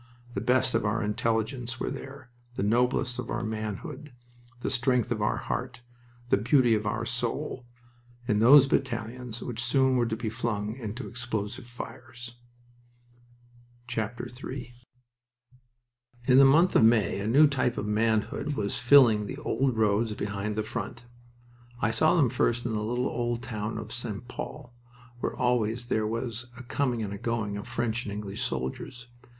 The best of our intelligence were there, the noblest of our manhood, the strength of our heart, the beauty of our soul, in those battalions which soon were to be flung into explosive fires. III In the month of May a new type of manhood was filling the old roads behind the front. I saw them first in the little old town of St. Pol, where always there was a coming and going of French and English soldiers.